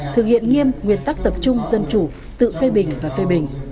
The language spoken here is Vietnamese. thực hiện nghiêm nguyên tắc tập trung dân chủ tự phê bình và phê bình